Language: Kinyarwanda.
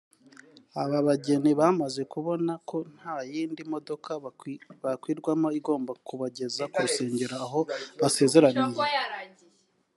Aba bageni bamaze kubona ko nta yindi modoka bakwirwamo igomba kubageza ku rusengero aho basezeraniye